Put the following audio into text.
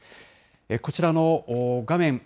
こちらの画面